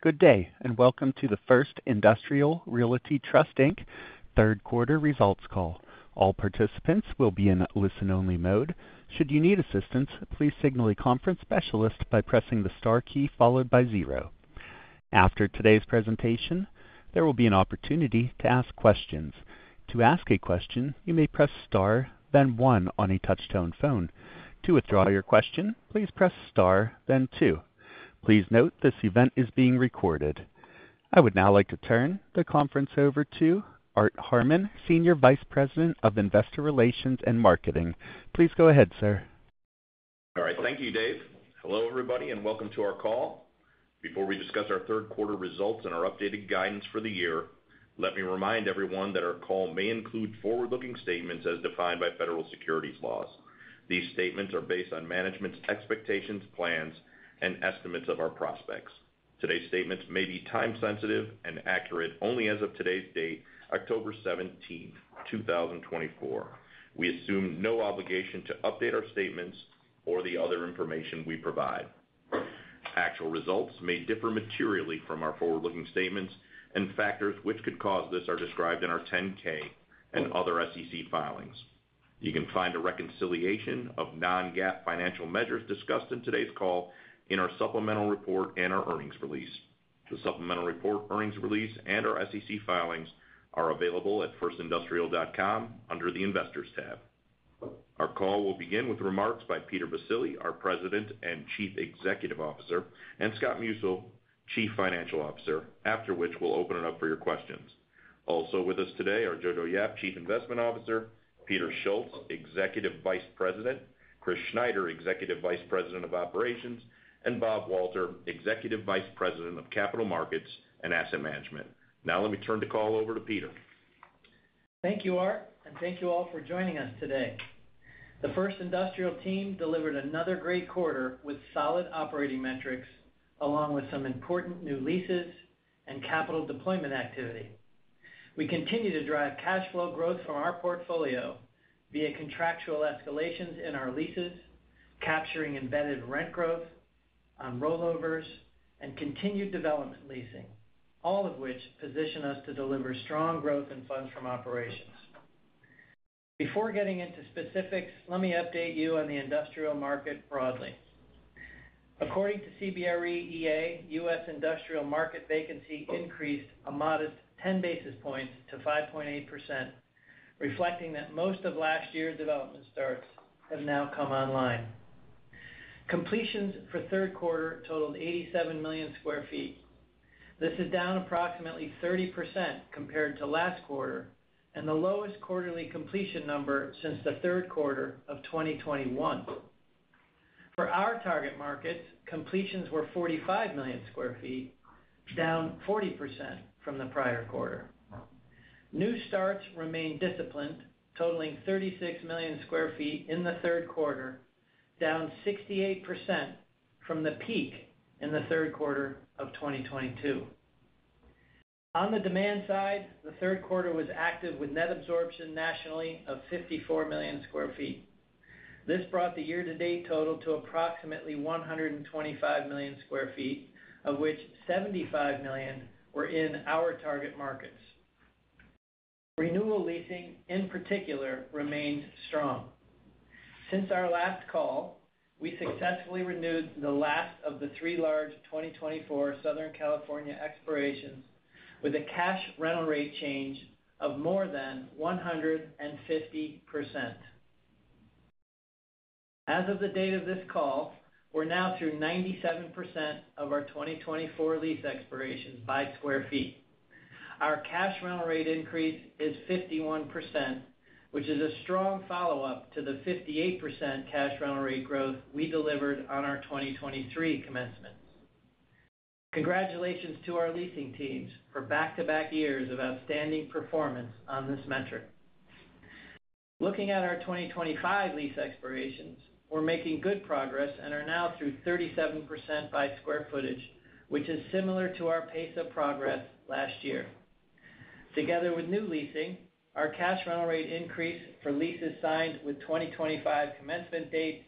Good day, and welcome to the First Industrial Realty Trust, Inc. Third Quarter Results Call. All participants will be in listen-only mode. Should you need assistance, please signal a conference specialist by pressing the star key followed by zero. After today's presentation, there will be an opportunity to ask questions. To ask a question, you may press Star, then one on a touch-tone phone. To withdraw your question, please press Star, then two. Please note, this event is being recorded. I would now like to turn the conference over to Art Harmon, Senior Vice President of Investor Relations and Marketing. Please go ahead, sir. All right. Thank you, Dave. Hello, everybody, and welcome to our call. Before we discuss our Third Quarter Results and our updated guidance for the year, let me remind everyone that our call may include forward-looking statements as defined by federal securities laws. These statements are based on management's expectations, plans, and estimates of our prospects. Today's statements may be time-sensitive and accurate only as of today's date, October 17th, 2024. We assume no obligation to update our statements or the other information we provide. Actual results may differ materially from our forward-looking statements, and factors which could cause this are described in our 10-K and other SEC filings. You can find a reconciliation of non-GAAP financial measures discussed in today's call in our supplemental report and our earnings release. The supplemental report, earnings release, and our SEC filings are available at firstindustrial.com under the Investors tab. Our call will begin with remarks by Peter Baccile, our President and Chief Executive Officer, and Scott Musil, Chief Financial Officer, after which we'll open it up for your questions. Also with us today are Jojo Yap, Chief Investment Officer, Peter Schultz, Executive Vice President, Chris Schneider, Executive Vice President of Operations, and Bob Walter, Executive Vice President of Capital Markets and Asset Management. Now let me turn the call over to Peter. Thank you, Art, and thank you all for joining us today. The First Industrial team delivered another great quarter with solid operating metrics, along with some important new leases and capital deployment activity. We continue to drive cash flow growth from our portfolio via contractual escalations in our leases, capturing embedded rent growth on rollovers and continued development leasing, all of which position us to deliver strong growth in funds from operations. Before getting into specifics, let me update you on the industrial market broadly. According to CBRE EA, U.S. industrial market vacancy increased a modest 10 basis points to 5.8%, reflecting that most of last year's development starts have now come online. Completions for third quarter totaled 87 million sq ft. This is down approximately 30% compared to last quarter and the lowest quarterly completion number since the third quarter of 2021. For our target markets, completions were 45 million sq ft, down 40% from the prior quarter. New starts remained disciplined, totaling 36 million sq ft in the third quarter, down 68% from the peak in the third quarter of 2022. On the demand side, the third quarter was active with net absorption nationally of 54 million sq ft. This brought the year-to-date total to approximately 125 million sq ft, of which 75 million were in our target markets. Renewal leasing, in particular, remained strong. Since our last call, we successfully renewed the last of the three large 2024 Southern California expirations, with a cash rental rate change of more than 150%. As of the date of this call, we're now through 97% of our 2024 lease expirations by square feet. Our cash rental rate increase is 51%, which is a strong follow-up to the 58% cash rental rate growth we delivered on our 2023 commencement. Congratulations to our leasing teams for back-to-back years of outstanding performance on this metric. Looking at our 2025 lease expirations, we're making good progress and are now through 37% by square footage, which is similar to our pace of progress last year. Together with new leasing, our cash rental rate increase for leases signed with 2025 commencement date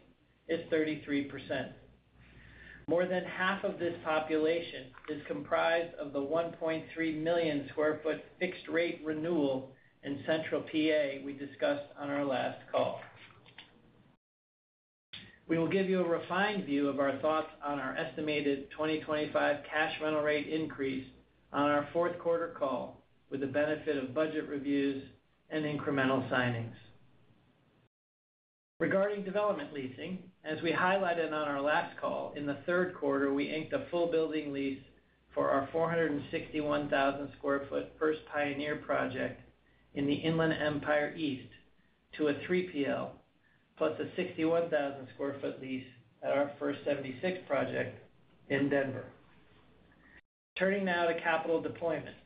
is 33%. More than half of this population is comprised of the 1.3 million sq ft fixed rate renewal in Central PA we discussed on our last call. We will give you a refined view of our thoughts on our estimated 2025 cash rental rate increase on our fourth quarter call, with the benefit of budget reviews and incremental signings. Regarding development leasing, as we highlighted on our last call, in the third quarter, we inked a full building lease for our 461,000 sq ft First Pioneer project in the Inland Empire East to a 3PL, plus a 61,000 sq ft lease at our First 76 project in Denver. Turning now to capital deployment.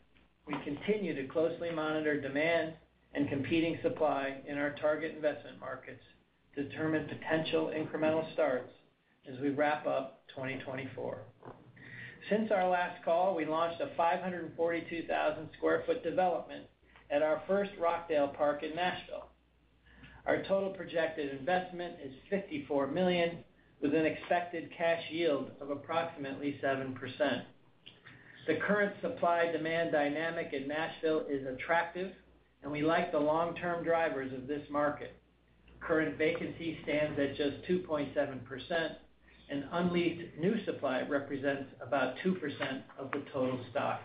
We continue to closely monitor demand and competing supply in our target investment markets to determine potential incremental starts as we wrap up 2024. Since our last call, we launched a 542,000 sq ft development at our First Rockdale park in Nashville.... Our total projected investment is $54 million, with an expected cash yield of approximately 7%. The current supply-demand dynamic in Nashville is attractive, and we like the long-term drivers of this market. Current vacancy stands at just 2.7%, and unleased new supply represents about 2% of the total stock.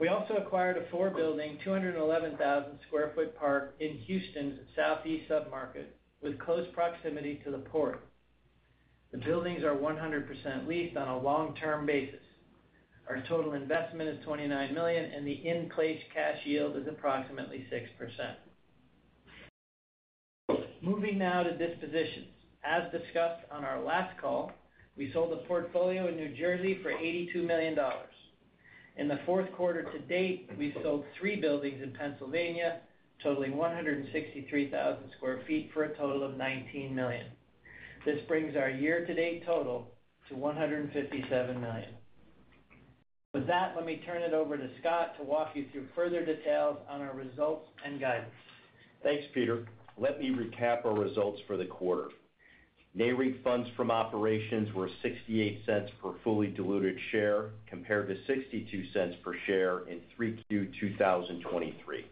We also acquired a four-building, 211,000 sq ft park in Houston's Southeast submarket, with close proximity to the port. The buildings are 100% leased on a long-term basis. Our total investment is $29 million, and the in-place cash yield is approximately 6%. Moving now to dispositions. As discussed on our last call, we sold a portfolio in New Jersey for $82 million. In the fourth quarter to date, we've sold three buildings in Pennsylvania, totaling 163,000 sq ft for a total of $19 million. This brings our year-to-date total to $157 million. With that, let me turn it over to Scott to walk you through further details on our results and guidance. Thanks, Peter. Let me recap our results for the quarter. NAREIT funds from operations were $0.68 per fully diluted share, compared to $0.62 per share in 3Q 2023.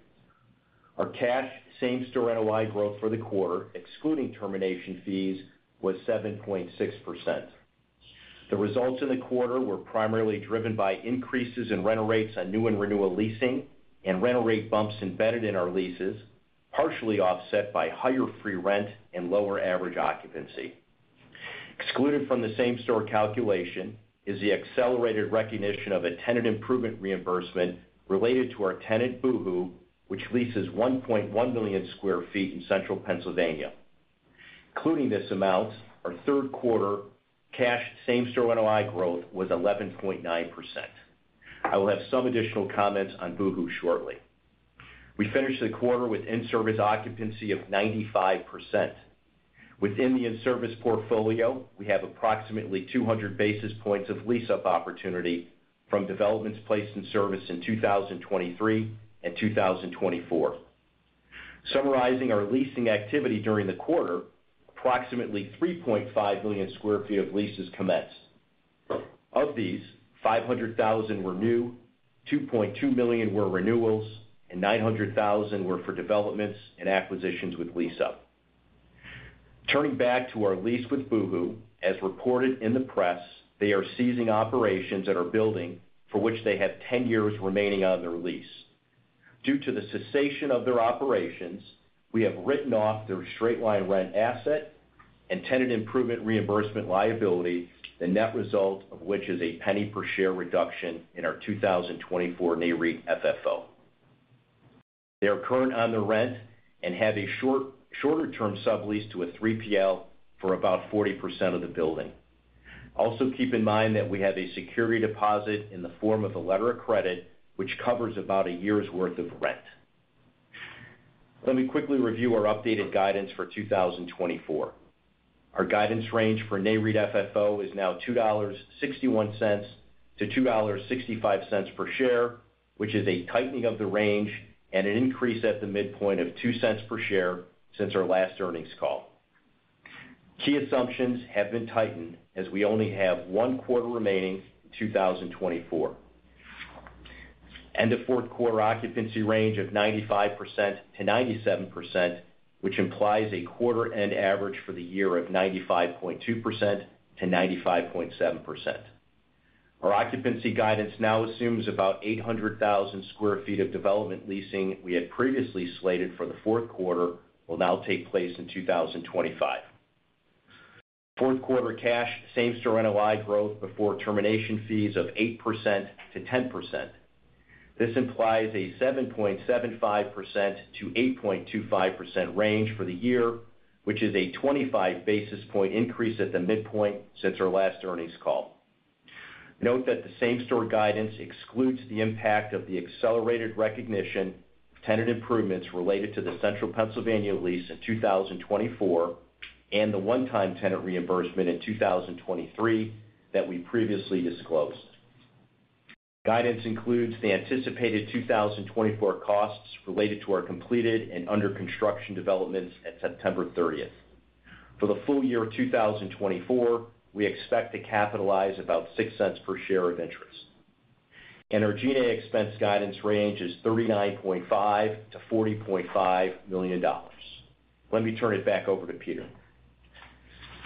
Our cash same-store NOI growth for the quarter, excluding termination fees, was 7.6%. The results in the quarter were primarily driven by increases in rental rates on new and renewal leasing, and rental rate bumps embedded in our leases, partially offset by higher free rent and lower average occupancy. Excluded from the same-store calculation is the accelerated recognition of a tenant improvement reimbursement related to our tenant, Boohoo, which leases 1.1 million square feet in Central Pennsylvania. Including this amount, our third quarter cash same-store NOI growth was 11.9%. I will have some additional comments on Boohoo shortly. We finished the quarter with in-service occupancy of 95%. Within the in-service portfolio, we have approximately 200 basis points of lease-up opportunity from developments placed in service in 2023 and 2024. Summarizing our leasing activity during the quarter, approximately 3.5 million sq ft of leases commenced. Of these, 500,000 were new, 2.2 million were renewals, and 900,000 were for developments and acquisitions with lease-up. Turning back to our lease with Boohoo, as reported in the press, they are ceasing operations at our building, for which they have 10-years remaining on their lease. Due to the cessation of their operations, we have written off their straight-line rent asset and tenant improvement reimbursement liability, the net result of which is a $0.01 per share reduction in our 2024 NAREIT FFO. They are current on the rent and have a shorter term sublease to a 3PL for about 40% of the building. Also, keep in mind that we have a security deposit in the form of a letter of credit, which covers about a year's worth of rent. Let me quickly review our updated guidance for 2024. Our guidance range for NAREIT FFO is now $2.61-$2.65 per share, which is a tightening of the range and an increase at the midpoint of $0.02 per share since our last earnings call. Key assumptions have been tightened, as we only have one quarter remaining in 2024, and a fourth quarter occupancy range of 95%-97%, which implies a quarter end average for the year of 95.2%-95.7%. Our occupancy guidance now assumes about 800,000 sq ft of development leasing we had previously slated for the fourth quarter will now take place in 2025. Fourth quarter cash same-store NOI growth before termination fees of 8%-10%. This implies a 7.75%-8.25% range for the year, which is a 25 basis points increase at the midpoint since our last earnings call. Note that the same-store guidance excludes the impact of the accelerated recognition of tenant improvements related to the Central Pennsylvania lease in 2024, and the one-time tenant reimbursement in 2023 that we previously disclosed. Guidance includes the anticipated 2024 costs related to our completed and under construction developments at September 30th. For the full year 2024, we expect to capitalize about $0.06 per share of interest. Our G&A expense guidance range is $39.5 million-$40.5 million. Let me turn it back over to Peter.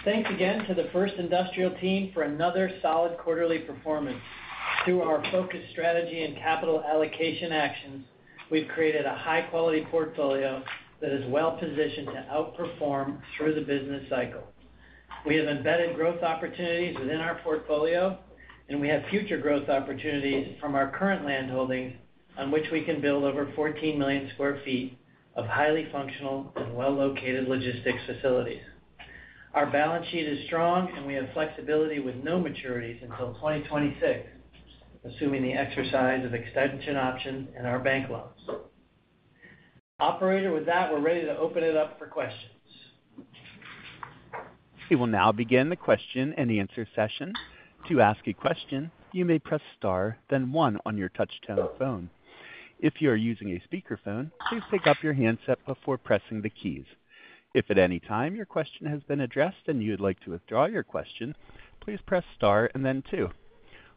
Thanks again to the First Industrial team for another solid quarterly performance. Through our focused strategy and capital allocation actions, we've created a high-quality portfolio that is well-positioned to outperform through the business cycle. We have embedded growth opportunities within our portfolio, and we have future growth opportunities from our current land holdings, on which we can build over fourteen million sq ft of highly functional and well-located logistics facilities. Our balance sheet is strong, and we have flexibility with no maturities until 2026, assuming the exercise of extension options in our bank loans. Operator, with that, we're ready to open it up for questions.... We will now begin the question-and-answer session. To ask a question, you may press star, then one on your touch-tone phone. If you are using a speakerphone, please pick up your handset before pressing the keys. If at any time your question has been addressed and you'd like to withdraw your question, please press star and then two.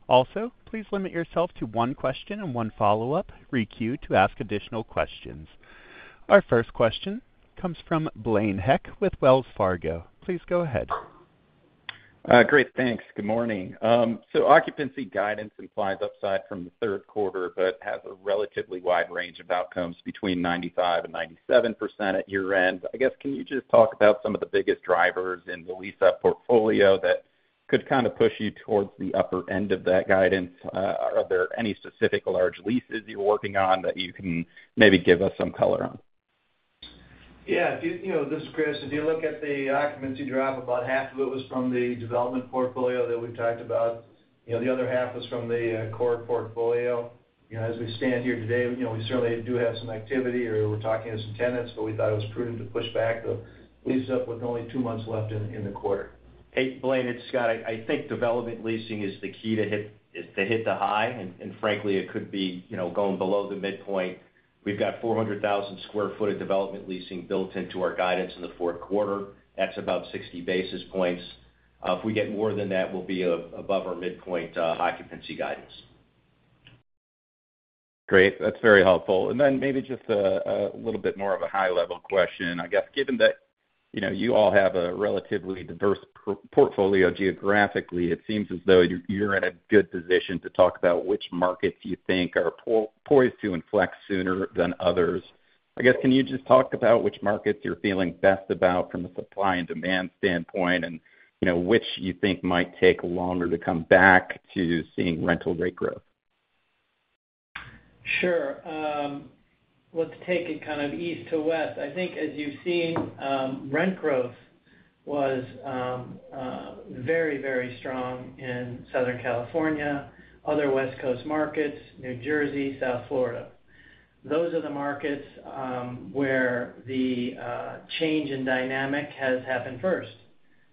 Also, please limit yourself to one question and one follow-up. Re-queue to ask additional questions. Our first question comes from Blaine Heck with Wells Fargo. Please go ahead. Great, thanks. Good morning. So occupancy guidance implies upside from the third quarter, but has a relatively wide range of outcomes between 95% and 97% at year-end. I guess, can you just talk about some of the biggest drivers in the lease-up portfolio that could kind of push you towards the upper end of that guidance? Are there any specific large leases you're working on that you can maybe give us some color on? Yeah, do you know? This is Chris. If you look at the occupancy drop, about half of it was from the development portfolio that we've talked about. You know, the other half was from the core portfolio. You know, as we stand here today, you know, we certainly do have some activity, or we're talking to some tenants, but we thought it was prudent to push back the lease up with only 2 months left in the quarter. Hey, Blaine, it's Scott. I think development leasing is the key to hit the high, and frankly, it could be, you know, going below the midpoint. We've got 400,000 sq ft of development leasing built into our guidance in the fourth quarter. That's about 60 basis points. If we get more than that, we'll be above our midpoint occupancy guidance. Great, that's very helpful. And then maybe just a little bit more of a high-level question. I guess, given that, you know, you all have a relatively diverse portfolio geographically, it seems as though you're in a good position to talk about which markets you think are poised to inflect sooner than others. I guess, can you just talk about which markets you're feeling best about from a supply and demand standpoint, and, you know, which you think might take longer to come back to seeing rental rate growth? Sure. Let's take it kind of east to west. I think, as you've seen, rent growth was very, very strong in Southern California, other West Coast markets, New Jersey, South Florida. Those are the markets where the change in dynamic has happened first.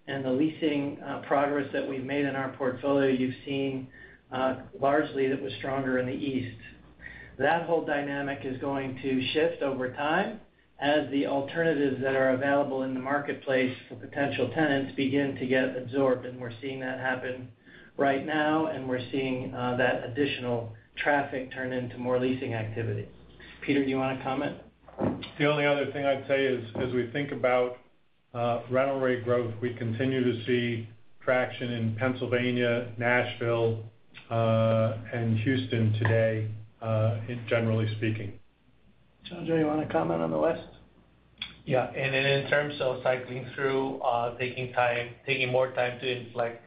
And the leasing progress that we've made in our portfolio, you've seen, largely it was stronger in the east. That whole dynamic is going to shift over time as the alternatives that are available in the marketplace for potential tenants begin to get absorbed, and we're seeing that happen right now, and we're seeing that additional traffic turn into more leasing activity. Peter, do you want to comment? The only other thing I'd say is, as we think about rental rate growth, we continue to see traction in Pennsylvania, Nashville, and Houston today, generally speaking. Jojo, you want to comment on the west? Yeah, and in terms of cycling through, taking more time to inflect,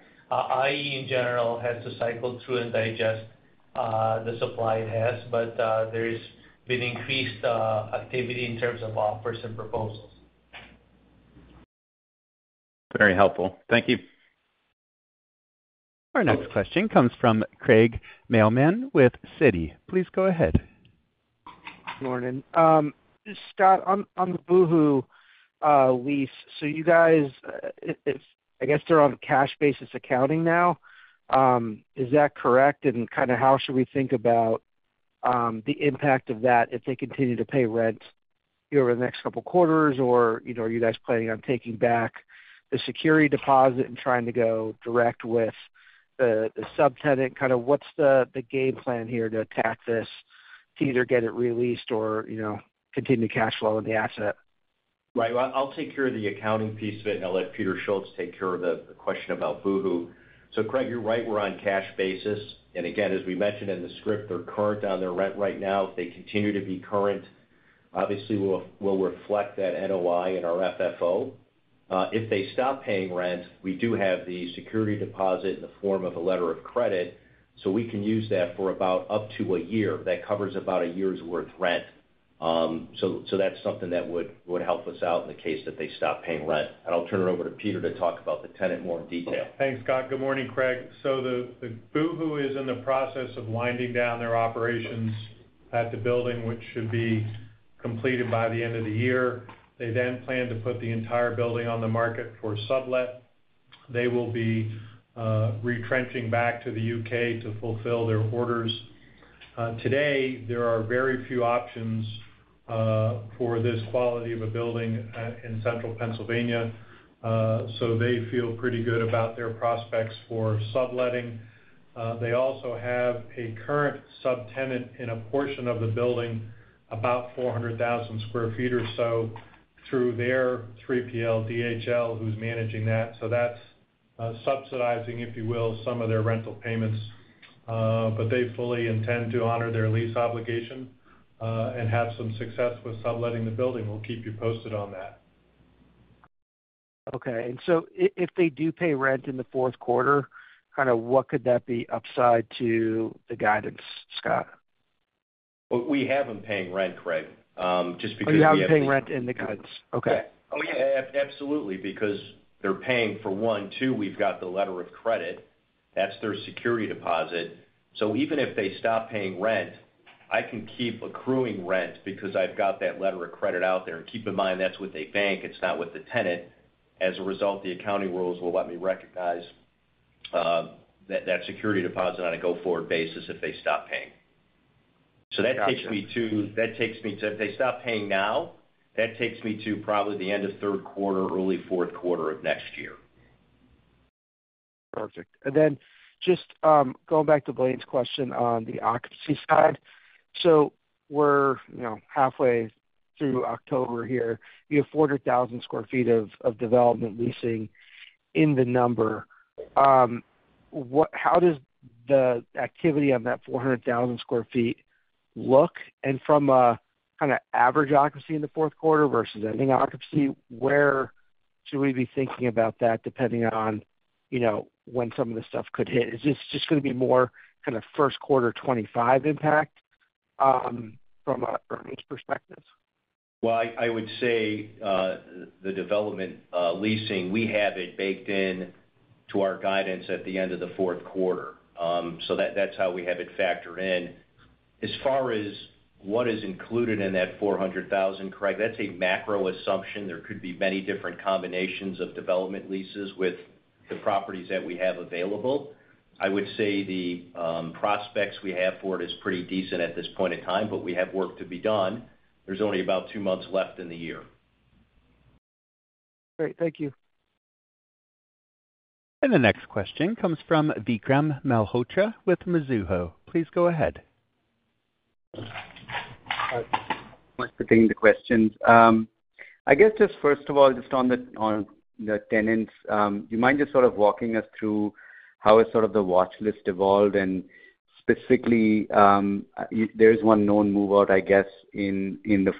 IE, in general, has to cycle through and digest the supply it has, but there's been increased activity in terms of offers and proposals. Very helpful. Thank you. Our next question comes from Craig Mailman with Citi. Please go ahead. Morning. Scott, on the Boohoo lease, so you guys, it's, I guess, they're on cash basis accounting now. Is that correct? And kind of how should we think about the impact of that if they continue to pay rent over the next couple quarters, or, you know, are you guys planning on taking back the security deposit and trying to go direct with the subtenant? Kind of what's the game plan here to attack this, to either get it re-leased or, you know, continue to cash flow in the asset? Right. Well, I'll take care of the accounting piece of it, and I'll let Peter Schultz take care of the, the question about Boohoo. So, Craig, you're right, we're on cash basis, and again, as we mentioned in the script, they're current on their rent right now. If they continue to be current, obviously, we'll, we'll reflect that NOI in our FFO. If they stop paying rent, we do have the security deposit in the form of a letter of credit, so we can use that for about up to a year. That covers about a year's worth of rent. So, so that's something that would, would help us out in the case that they stop paying rent. And I'll turn it over to Peter to talk about the tenant in more detail. Thanks, Scott. Good morning, Craig. So the Boohoo is in the process of winding down their operations at the building, which should be completed by the end of the year. They then plan to put the entire building on the market for sublet. They will be retrenching back to the U.K. to fulfill their orders. Today, there are very few options for this quality of a building in Central Pennsylvania, so they feel pretty good about their prospects for subletting. They also have a current subtenant in a portion of the building, about 400,000 sq ft or so, through their 3PL, DHL, who's managing that. So that's subsidizing, if you will, some of their rental payments. But they fully intend to honor their lease obligation and have some success with subletting the building. We'll keep you posted on that. Okay. And so if they do pay rent in the fourth quarter, kind of what could that be upside to the guidance, Scott? We have them paying rent, Craig, just because- Oh, you have them paying rent in the guidance. Okay. Oh, yeah, absolutely, because they're paying for one. Two, we've got the letter of credit. That's their security deposit. So even if they stop paying rent, I can keep accruing rent because I've got that letter of credit out there. And keep in mind, that's with a bank, it's not with the tenant. As a result, the accounting rules will let me recognize that security deposit on a go-forward basis if they stop paying. So that takes me to- Got you. That takes me to, if they stop paying now, that takes me to probably the end of third quarter, early fourth quarter of next year. Perfect. And then just going back to Blaine's question on the occupancy side. So we're, you know, halfway through October here. You have 400,000 sq ft of development leasing in the number. What - how does the activity on that 400,000 sq ft look? And from a kind of average occupancy in the fourth quarter versus ending occupancy, where should we be thinking about that depending on, you know, when some of this stuff could hit? Is this just going to be more kind of first quarter 2025 impact from an earnings perspective? I would say the development leasing we have it baked in to our guidance at the end of the fourth quarter. So that's how we have it factored in. As far as what is included in that 400,000, Craig, that's a macro assumption. There could be many different combinations of development leases with the properties that we have available. I would say the prospects we have for it is pretty decent at this point in time, but we have work to be done. There's only about 2 months left in the year. Great, thank you. And the next question comes from Vikram Malhotra with Mizuho. Please go ahead. Thanks for taking the questions. I guess, just first of all, just on the tenants, do you mind just sort of walking us through how has sort of the watchlist evolved? And specifically, there is one known move-out, I guess, in the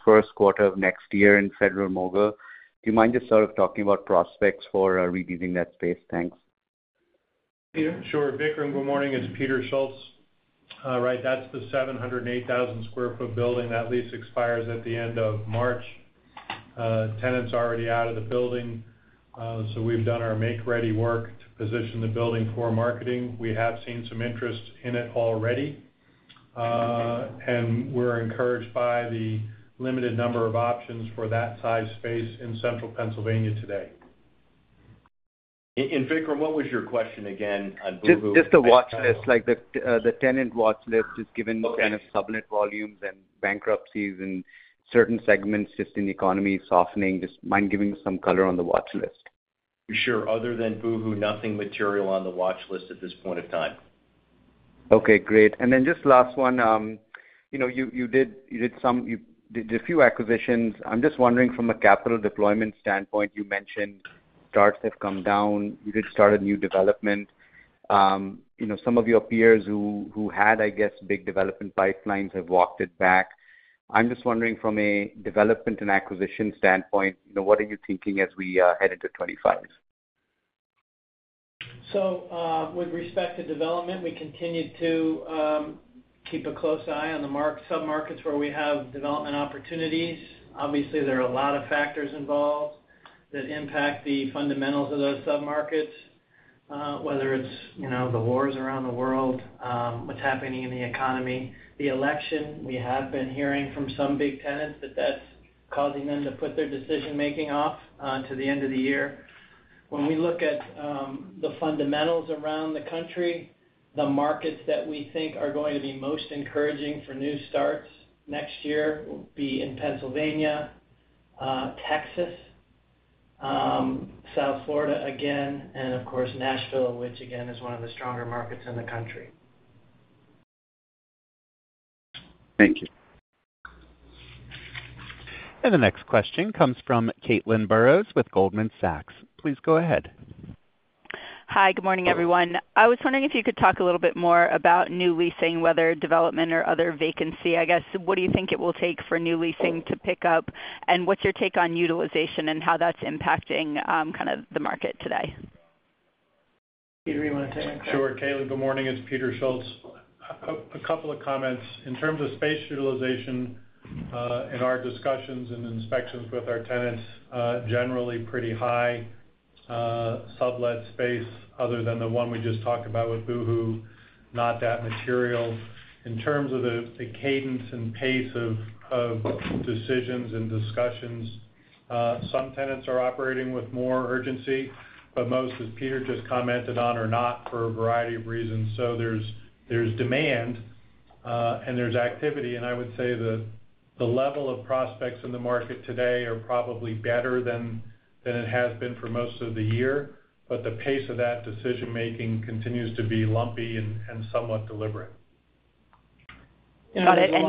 first quarter of next year in Federal-Mogul. Do you mind just sort of talking about prospects for re-leasing that space? Thanks. Peter? Sure, Vikram, good morning, it's Peter Schultz. Right, that's the 708,000 sq ft building. That lease expires at the end of March. Tenants are already out of the building, so we've done our make-ready work to position the building for marketing. We have seen some interest in it already. And we're encouraged by the limited number of options for that size space in Central Pennsylvania today. Vikram, what was your question again on Boohoo? Just the watchlist, like the tenant watchlist, just given- Okay the kind of sublet volumes and bankruptcies in certain segments, just in the economy softening. Do you mind giving some color on the watchlist? Sure. Other than Boohoo, nothing material on the watchlist at this point of time. Okay, great. And then just last one, you know, you did a few acquisitions. I'm just wondering from a capital deployment standpoint, you mentioned starts have come down. You did start a new development. You know, some of your peers who had, I guess, big development pipelines, have walked it back. I'm just wondering, from a development and acquisition standpoint, you know, what are you thinking as we head into 2025? So, with respect to development, we continue to keep a close eye on the submarkets where we have development opportunities. Obviously, there are a lot of factors involved that impact the fundamentals of those submarkets, whether it's, you know, the wars around the world, what's happening in the economy, the election. We have been hearing from some big tenants that that's causing them to put their decision-making off to the end of the year. When we look at the fundamentals around the country, the markets that we think are going to be most encouraging for new starts next year will be in Pennsylvania, Texas, South Florida again, and of course, Nashville, which, again, is one of the stronger markets in the country. Thank you. The next question comes from Caitlin Burrows with Goldman Sachs. Please go ahead. Hi, good morning, everyone. I was wondering if you could talk a little bit more about new leasing, whether development or other vacancy. I guess, what do you think it will take for new leasing to pick up? And what's your take on utilization and how that's impacting kind of the market today? Peter, you want to take that? Sure, Caitlin, good morning, it's Peter Schultz. A couple of comments. In terms of space utilization, in our discussions and inspections with our tenants, generally pretty high. Sublet space, other than the one we just talked about with Boohoo, not that material. In terms of the cadence and pace of decisions and discussions, some tenants are operating with more urgency, but most, as Peter just commented on, are not for a variety of reasons. So there's demand, and there's activity, and I would say that the level of prospects in the market today are probably better than it has been for most of the year, but the pace of that decision-making continues to be lumpy and somewhat deliberate. Got it, and-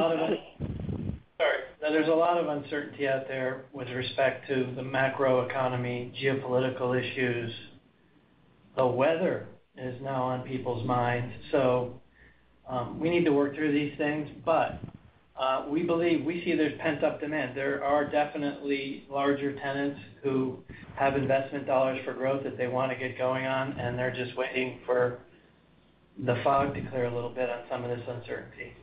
Sorry. Now, there's a lot of uncertainty out there with respect to the macroeconomy, geopolitical issues. The weather is now on people's minds, so we need to work through these things, but we believe, we see there's pent-up demand. There are definitely larger tenants who have investment dollars for growth that they want to get going on, and they're just waiting for the fog to clear a little bit on some of this uncertainty....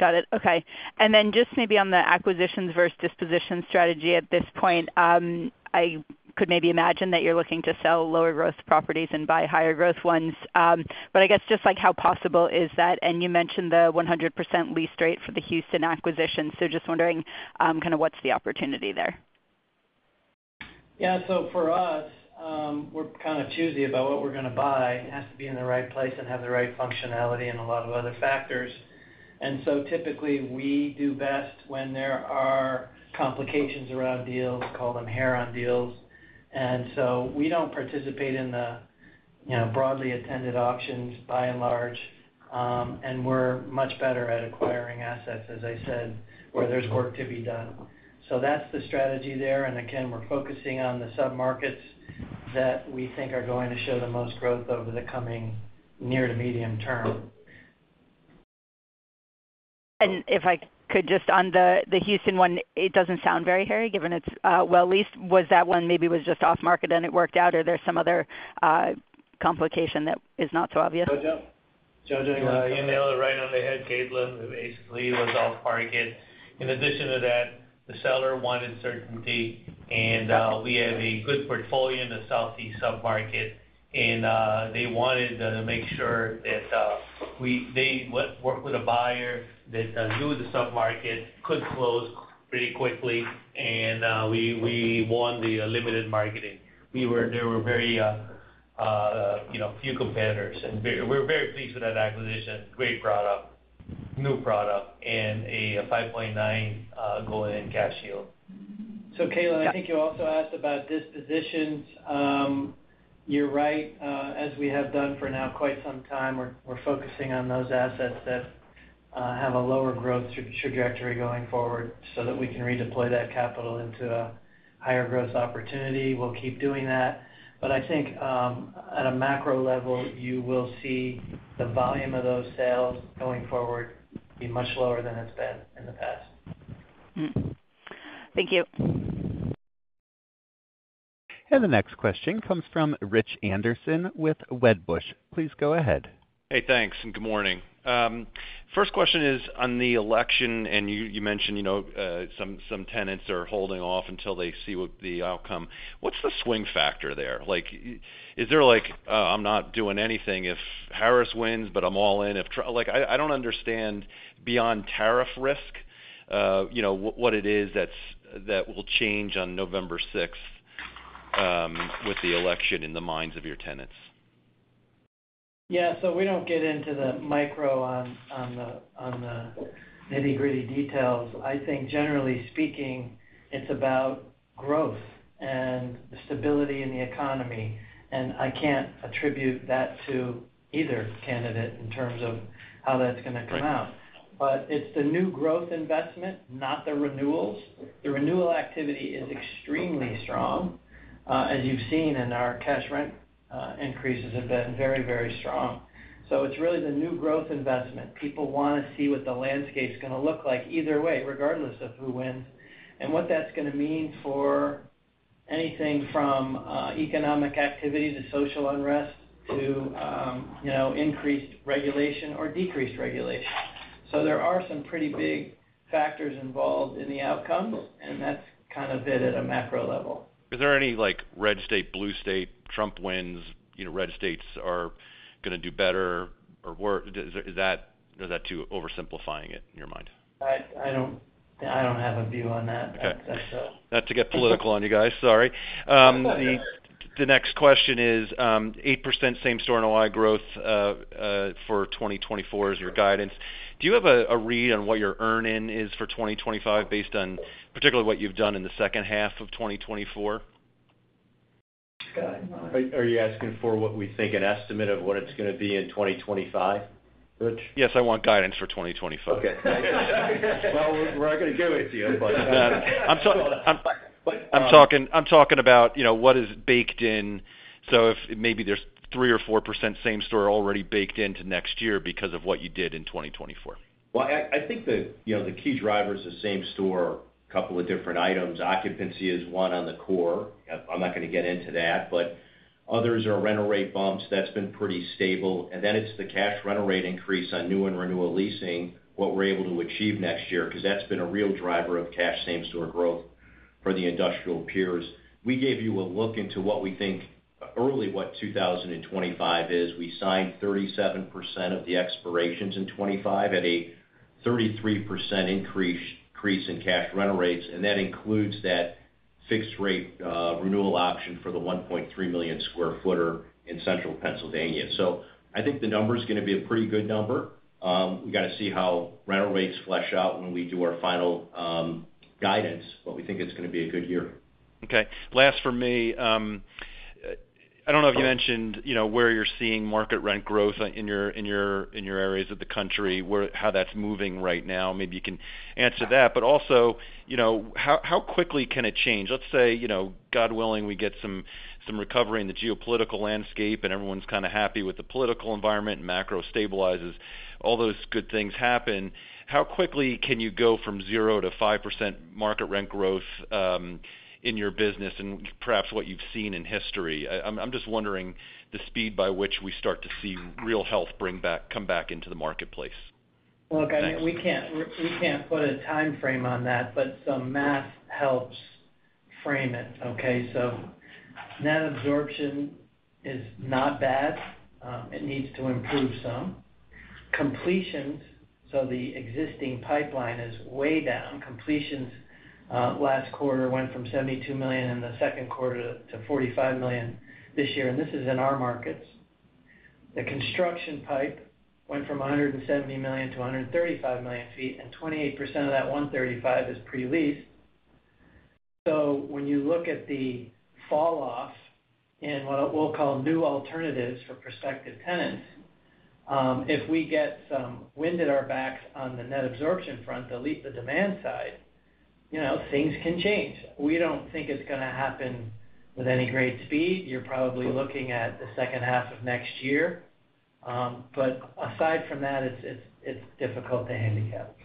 Got it. Okay. And then just maybe on the acquisitions versus disposition strategy at this point, I could maybe imagine that you're looking to sell lower growth properties and buy higher growth ones, but I guess, just like, how possible is that? And you mentioned the 100% lease rate for the Houston acquisition, so just wondering, kind of what's the opportunity there? Yeah. So for us, we're kind of choosy about what we're going to buy. It has to be in the right place and have the right functionality and a lot of other factors. And so typically, we do best when there are complications around deals. We call them hair on deals. And so we don't participate in the, you know, broadly attended auctions by and large, and we're much better at acquiring assets, as I said, where there's work to be done. So that's the strategy there. And again, we're focusing on the submarkets that we think are going to show the most growth over the coming near to medium term. If I could, just on the Houston one, it doesn't sound very hairy given it's well leased. Was that one maybe was just off market and it worked out, or there's some other complication that is not so obvious? Jojo? Jojo. You nailed it right on the head, Caitlin. Basically, it was off market. In addition to that, the seller wanted certainty, and we have a good portfolio in the Southeast submarket, and they wanted to make sure that they work with a buyer that knew the submarket, could close pretty quickly, and we won the limited marketing. There were very, you know, few competitors, and we're very pleased with that acquisition. Great product, new product, and a 5.9 go-in cash yield. So, Caitlin, I think you also asked about dispositions. You're right, as we have done for now quite some time, we're focusing on those assets that have a lower growth trajectory going forward so that we can redeploy that capital into a higher growth opportunity. We'll keep doing that. But I think at a macro level, you will see the volume of those sales going forward be much lower than it's been in the past. Mm-hmm. Thank you. The next question comes from Rich Anderson with Wedbush. Please go ahead. Hey, thanks, and good morning. First question is on the election, and you mentioned, you know, some tenants are holding off until they see what the outcome. What's the swing factor there? Like, is there, like, "I'm not doing anything if Harris wins, but I'm all in if Trump," like, I don't understand, beyond tariff risk, you know, what it is that will change on November 6th with the election in the minds of your tenants. Yeah, so we don't get into the micro on the nitty-gritty details. I think generally speaking, it's about growth and stability in the economy, and I can't attribute that to either candidate in terms of how that's going to come out. But it's the new growth investment, not the renewals. The renewal activity is extremely strong, as you've seen in our cash rent increases have been very, very strong. So it's really the new growth investment. People want to see what the landscape's going to look like either way, regardless of who wins, and what that's going to mean for anything from economic activity to social unrest, to you know, increased regulation or decreased regulation. So there are some pretty big factors involved in the outcome, and that's kind of it at a macro level. Is there any, like, red state, blue state, Trump wins, you know, red states are going to do better or worse? Is that, or is that too oversimplifying it in your mind? I don't have a view on that, Rich. Okay. So... Not to get political on you guys, sorry. The next question is 8% same-store NOI growth for 2024 is your guidance. Do you have a read on what your earnings is for 2025, based on particularly what you've done in the second half of 2024? Are you asking for what we think an estimate of what it's going to be in 2025, Rich? Yes, I want guidance for 2025. Okay. We're not going to give it to you, but... I'm talking about, you know, what is baked in. So if maybe there's 3% or 4% same-store already baked into next year because of what you did in 2024. I think you know, the key drivers of same store, a couple of different items. Occupancy is one on the core. I'm not going to get into that, but others are rental rate bumps. That's been pretty stable. And then it's the cash rental rate increase on new and renewal leasing, what we're able to achieve next year, because that's been a real driver of cash same store growth for the industrial peers. We gave you a look into what we think early, what 2025 is. We signed 37% of the expirations in 2025 at a 33% increase in cash rental rates, and that includes that fixed rate renewal option for the 1.3 million sq ft in Central Pennsylvania. So I think the number is going to be a pretty good number. We got to see how rental rates flesh out when we do our final guidance, but we think it's going to be a good year. Okay. Last for me, I don't know if you mentioned, you know, where you're seeing market rent growth in your areas of the country, where how that's moving right now. Maybe you can answer that. But also, you know, how quickly can it change? Let's say, you know, God willing, we get some recovery in the geopolitical landscape, and everyone's kind of happy with the political environment, macro stabilizes, all those good things happen. How quickly can you go from 0% to 5% market rent growth in your business and perhaps what you've seen in history? I'm just wondering the speed by which we start to see real health bring back come back into the marketplace. Look- Thanks.... we can't put a time frame on that, but some math helps frame it, okay? So net absorption is not bad. It needs to improve some. Completions, so the existing pipeline is way down. Completions last quarter went from 72 million sq ft in the second quarter to 45 million sq ft this year, and this is in our markets. The construction pipe went from 170 million sq ft to 135 million sq ft, and 28% of that 135 million sq ft is pre-leased. So when you look at the falloff and what we'll call new alternatives for prospective tenants, if we get some wind at our backs on the net absorption front, the demand side, you know, things can change. We don't think it's gonna happen with any great speed. You're probably looking at the second half of next year. But aside from that, it's difficult to handicap.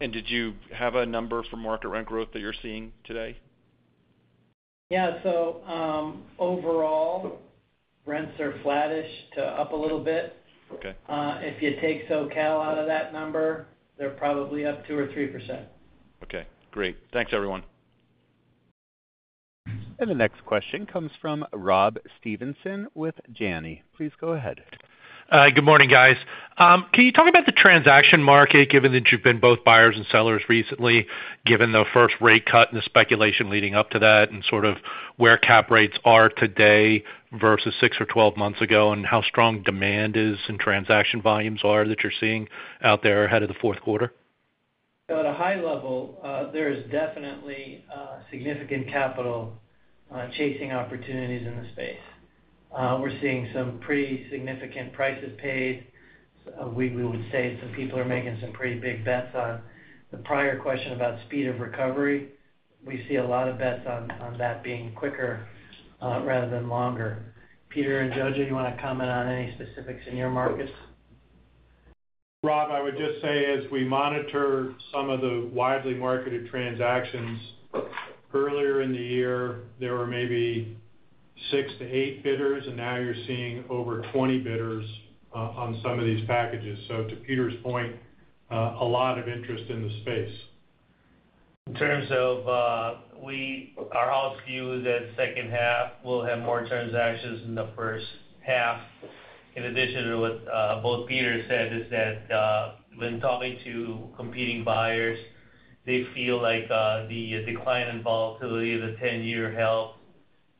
Did you have a number for market rent growth that you're seeing today? Yeah. So, overall, rents are flattish to up a little bit. Okay. If you take SoCal out of that number, they're probably up 2% or 3%. Okay, great. Thanks, everyone. The next question comes from Rob Stevenson with Janney. Please go ahead. Good morning, guys. Can you talk about the transaction market, given that you've been both buyers and sellers recently, given the first rate cut and the speculation leading up to that, and sort of where cap rates are today versus 6 or 12 months ago, and how strong demand is and transaction volumes are that you're seeing out there ahead of the fourth quarter? So at a high level, there is definitely significant capital chasing opportunities in the space. We're seeing some pretty significant prices paid. We would say some people are making some pretty big bets on the prior question about speed of recovery. We see a lot of bets on that being quicker rather than longer. Peter and Jojo, you want to comment on any specifics in your markets? Rob, I would just say, as we monitor some of the widely marketed transactions, earlier in the year, there were maybe six to eight bidders, and now you're seeing over twenty bidders, on some of these packages. So to Peter's point, a lot of interest in the space. In terms of, our house view that second half, we'll have more transactions in the first half. In addition to what both Peter said, is that, when talking to competing buyers, they feel like, the decline in volatility of the 10-year help,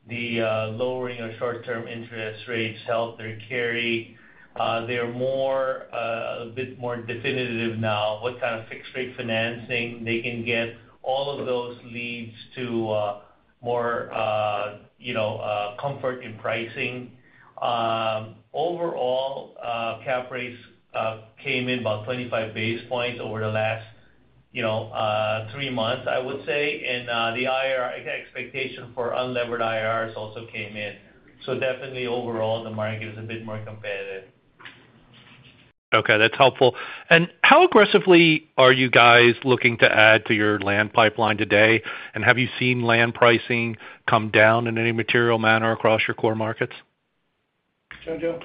the lowering of short-term interest rates help their carry. They're more, a bit more definitive now, what kind of fixed-rate financing they can get. All of those leads to, more, you know, comfort in pricing. Overall, cap rates came in about 25 basis points over the last, you know, 3 months, I would say. And, the IRR expectation for unlevered IRRs also came in. So definitely overall, the market is a bit more competitive. Okay, that's helpful. And how aggressively are you guys looking to add to your land pipeline today? And have you seen land pricing come down in any material manner across your core markets? Jojo?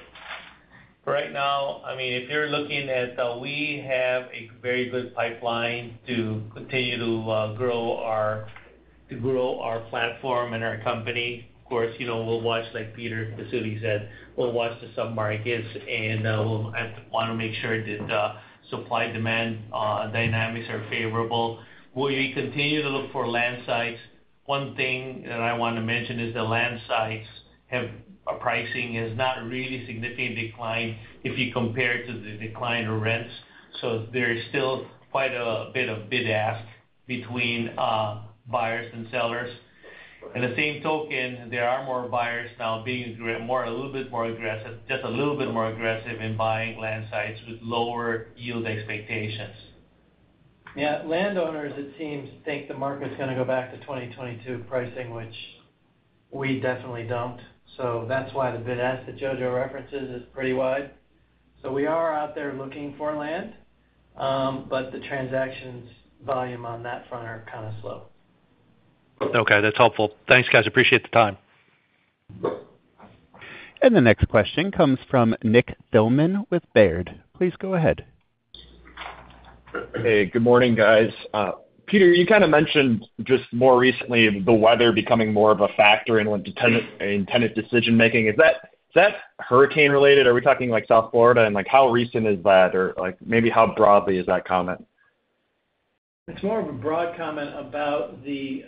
Right now, I mean, if you're looking at... we have a very good pipeline to continue to grow our platform and our company. Of course, you know, we'll watch, like Peter Baccile said, we'll watch the submarkets, and we'll want to make sure that supply-demand dynamics are favorable. We continue to look for land sites. One thing that I want to mention is the land sites have pricing is not a really significant decline if you compare it to the decline of rents. So there is still quite a bit of bid-ask between buyers and sellers. In the same token, there are more buyers now being a little bit more aggressive in buying land sites with lower yield expectations. Yeah, landowners, it seems, think the market's going to go back to 2022 pricing, which we definitely don't. So that's why the bid-ask that Jojo references is pretty wide. So we are out there looking for land, but the transactions volume on that front are kind of slow. Okay, that's helpful. Thanks, guys. Appreciate the time. The next question comes from Nick Thillman with Baird. Please go ahead. Hey, good morning, guys. Peter, you kind of mentioned just more recently, the weather becoming more of a factor in when to tenant, in tenant decision making. Is that, is that hurricane related? Are we talking, like, South Florida and, like, how recent is that? Or, like, maybe how broadly is that comment? It's more of a broad comment about the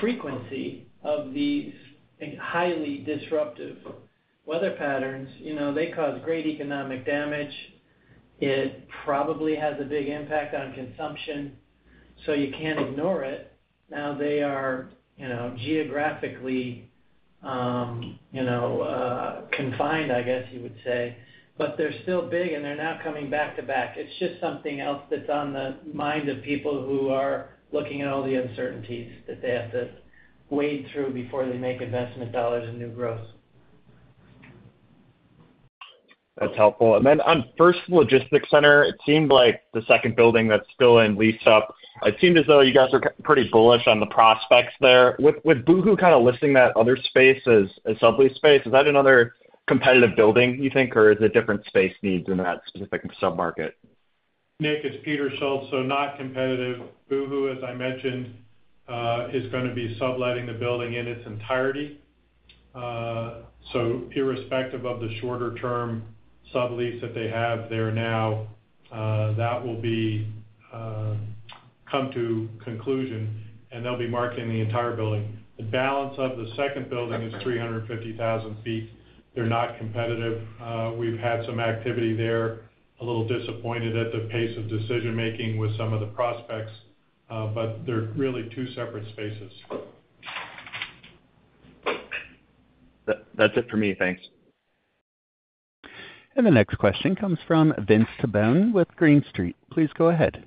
frequency of these, I think, highly disruptive weather patterns. You know, they cause great economic damage. It probably has a big impact on consumption, so you can't ignore it. Now, they are, you know, geographically, you know, confined, I guess you would say, but they're still big, and they're now coming back-to-back. It's just something else that's on the mind of people who are looking at all the uncertainties that they have to wade through before they make investment dollars in new growth. That's helpful. And then on First Logistics Center, it seemed like the second building that's still in lease up, it seemed as though you guys are pretty bullish on the prospects there. With Boohoo kind of listing that other space as a sublease space, is that another competitive building, you think, or is it different space needs in that specific submarket? Nick, it's Peter Schultz, so not competitive. Boohoo, as I mentioned, is gonna be subletting the building in its entirety.... so irrespective of the shorter-term sublease that they have there now, that will come to conclusion, and they'll be marketing the entire building. The balance of the second building is 350,000 sq ft. They're not competitive. We've had some activity there, a little disappointed at the pace of decision-making with some of the prospects, but they're really two separate spaces. That's it for me. Thanks. The next question comes from Vince Tibone with Green Street. Please go ahead.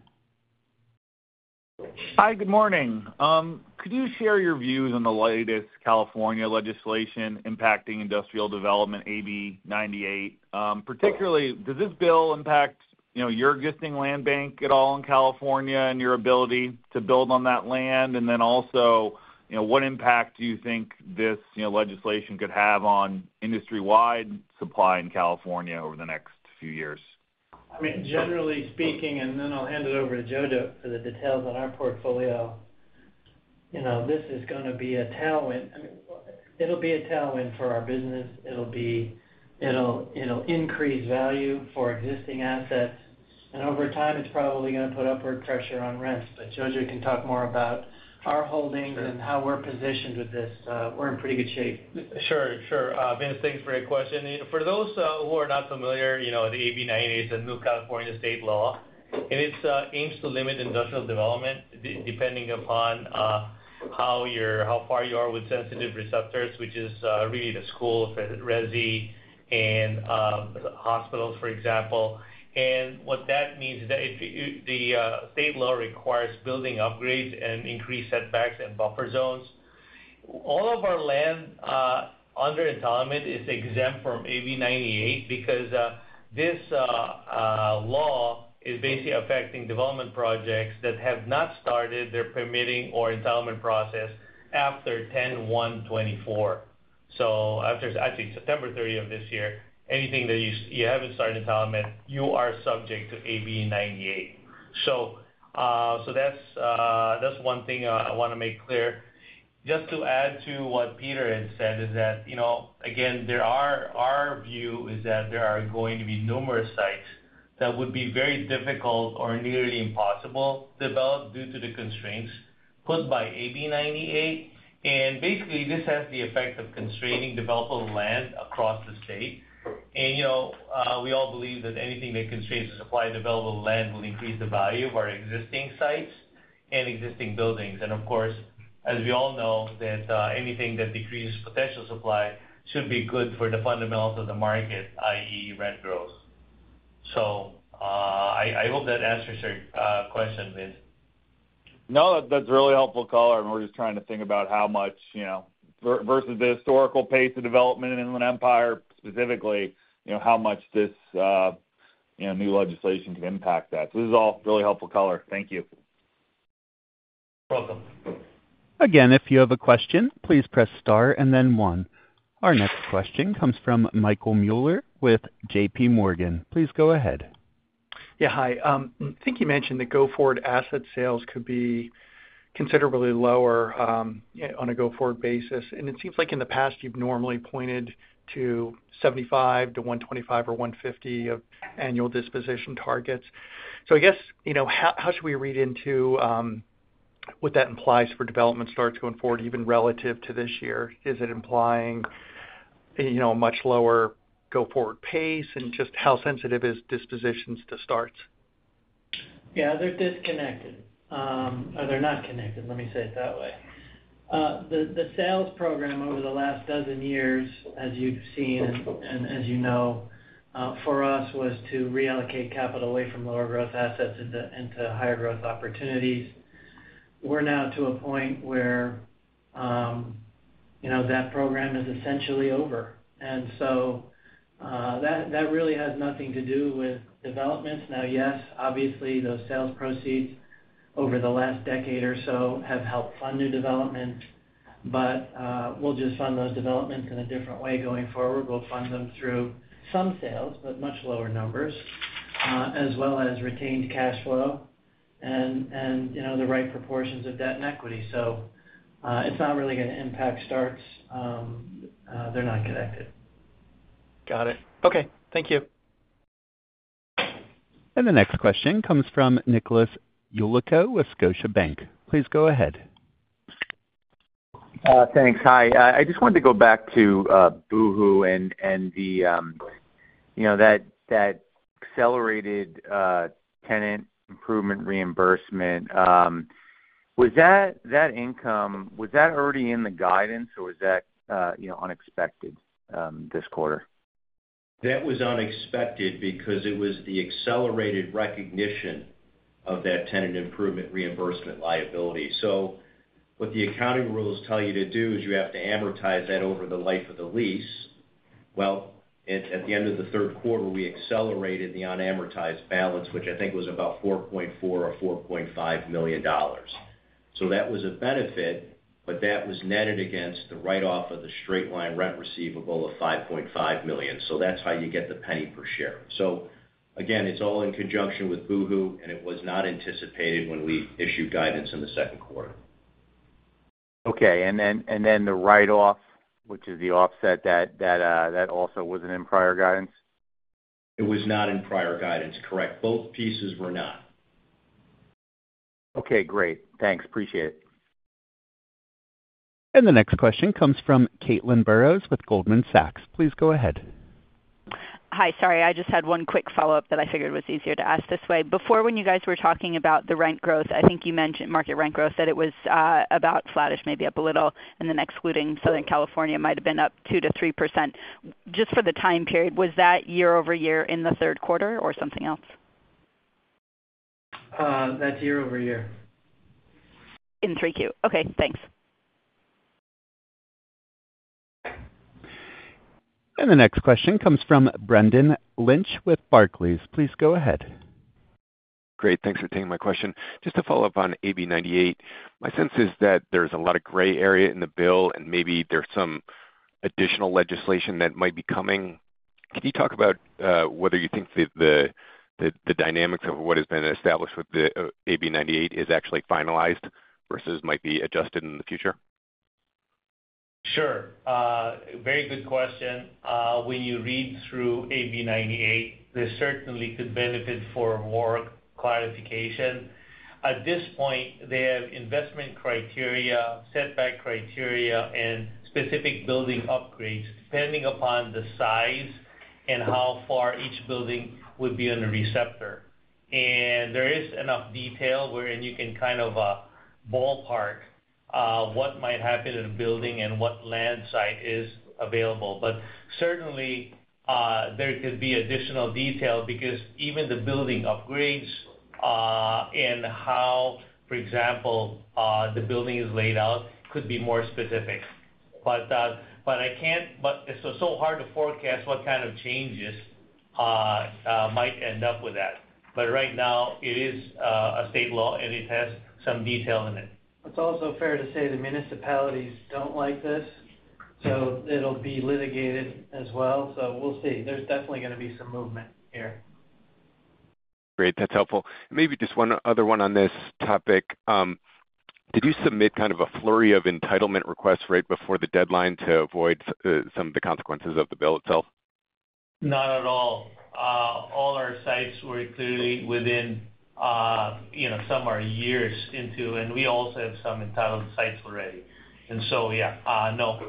Hi, good morning. Could you share your views on the latest California legislation impacting industrial development, AB 98? Particularly, does this bill impact, you know, your existing land bank at all in California and your ability to build on that land? And then also, you know, what impact do you think this, you know, legislation could have on industry-wide supply in California over the next few years? I mean, generally speaking, and then I'll hand it over to Jojo for the details on our portfolio. You know, this is gonna be a tailwind. I mean, it'll be a tailwind for our business. It'll increase value for existing assets, and over time, it's probably gonna put upward pressure on rents. But Jojo can talk more about our holdings. Sure. -and how we're positioned with this. We're in pretty good shape. Sure, sure. Vince, thanks for your question. For those who are not familiar, you know, the AB 98 is a new California state law, and it aims to limit industrial development, depending upon how far you are with sensitive receptors, which is really the school, resi, and hospitals, for example. And what that means is that if the state law requires building upgrades and increased setbacks and buffer zones. All of our land under entitlement is exempt from AB 98 because this law is basically affecting development projects that have not started their permitting or entitlement process after October 1, 2024. So after actually, September 30 of this year, anything that you haven't started entitlement, you are subject to AB 98. So that's one thing I wanna make clear. Just to add to what Peter had said is that, you know, again, there are. Our view is that there are going to be numerous sites that would be very difficult or nearly impossible to develop due to the constraints put by AB 98. And basically, this has the effect of constraining developable land across the state. And, you know, we all believe that anything that constrains the supply of developable land will increase the value of our existing sites and existing buildings. And of course, as we all know, that, anything that decreases potential supply should be good for the fundamentals of the market, i.e., rent growth. So, I hope that answers your question, Vince. No, that's a really helpful color, and we're just trying to think about how much, you know, versus the historical pace of development in Inland Empire, specifically, you know, how much this, you know, new legislation could impact that. So this is all really helpful color. Thank you. Welcome. Again, if you have a question, please press star and then one. Our next question comes from Michael Mueller with J.P. Morgan. Please go ahead. Yeah, hi. I think you mentioned that go-forward asset sales could be considerably lower, yeah, on a go-forward basis. And it seems like in the past, you've normally pointed to 75-125 or 150 of annual disposition targets. So I guess, you know, how should we read into what that implies for development starts going forward, even relative to this year? Is it implying, you know, a much lower go-forward pace, and just how sensitive is dispositions to starts? Yeah, they're disconnected, or they're not connected, let me say it that way. The sales program over the last dozen years, as you've seen and as you know, for us, was to reallocate capital away from lower growth assets into higher growth opportunities. We're now to a point where, you know, that program is essentially over, and so, that really has nothing to do with developments. Now, yes, obviously, those sales proceeds over the last decade or so have helped fund new developments, but, we'll just fund those developments in a different way going forward. We'll fund them through some sales, but much lower numbers, as well as retained cash flow and, you know, the right proportions of debt and equity. So, it's not really gonna impact starts. They're not connected. Got it. Okay, thank you. The next question comes from Nicholas Yulico with Scotiabank. Please go ahead. Thanks. Hi, I just wanted to go back to Boohoo and the, you know, that accelerated tenant improvement reimbursement. Was that income already in the guidance, or was that, you know, unexpected this quarter? That was unexpected because it was the accelerated recognition of that tenant improvement reimbursement liability. So what the accounting rules tell you to do is you have to amortize that over the life of the lease. Well, at the end of the third quarter, we accelerated the unamortized balance, which I think was about $4.4 million or $4.5 million. So that was a benefit, but that was netted against the write-off of the straight-line rent receivable of $5.5 million. So that's how you get the $0.01 per share. So again, it's all in conjunction with Boohoo, and it was not anticipated when we issued guidance in the second quarter.... Okay, and then the write-off, which is the offset, that also wasn't in prior guidance? It was not in prior guidance, correct. Both pieces were not. Okay, great. Thanks. Appreciate it. The next question comes from Caitlin Burrows with Goldman Sachs. Please go ahead. Hi. Sorry, I just had one quick follow-up that I figured was easier to ask this way. Before, when you guys were talking about the rent growth, I think you mentioned market rent growth, that it was about flattish, maybe up a little, and then excluding Southern California, might have been up 2%-3%. Just for the time period, was that year-over-year in the third quarter or something else? That's year-over-year. In 3Q. Okay, thanks. The next question comes from Brendan Lynch with Barclays. Please go ahead. Great, thanks for taking my question. Just to follow up on AB 98, my sense is that there's a lot of gray area in the bill, and maybe there's some additional legislation that might be coming. Can you talk about whether you think the dynamics of what has been established with the AB 98 is actually finalized versus might be adjusted in the future? Sure. Very good question. When you read through AB 98, there certainly could benefit for more clarification. At this point, they have investment criteria, setback criteria, and specific building upgrades, depending upon the size and how far each building would be on a receptor. And there is enough detail wherein you can kind of ballpark what might happen in a building and what land site is available. But certainly there could be additional detail, because even the building upgrades and how, for example, the building is laid out, could be more specific. But it's so hard to forecast what kind of changes might end up with that. But right now, it is a state law, and it has some detail in it. It's also fair to say the municipalities don't like this, so it'll be litigated as well, so we'll see. There's definitely gonna be some movement here. Great, that's helpful. Maybe just one other one on this topic. Did you submit kind of a flurry of entitlement requests right before the deadline to avoid some of the consequences of the bill itself? Not at all. All our sites were clearly within, you know, some are years into, and we also have some entitled sites already. And so, yeah, no,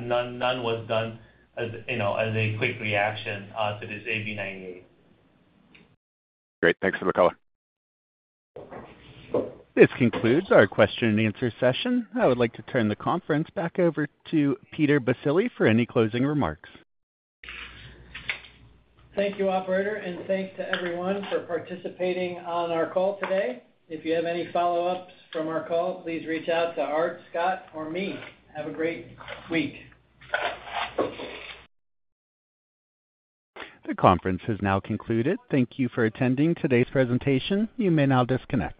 none was done as, you know, as a quick reaction to this AB 98. Great. Thanks for the call. This concludes our question and answer session. I would like to turn the conference back over to Peter Baccile for any closing remarks. Thank you, operator, and thanks to everyone for participating on our call today. If you have any follow-ups from our call, please reach out to Art, Scott, or me. Have a great week. The conference is now concluded. Thank you for attending today's presentation. You may now disconnect.